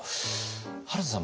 原田さん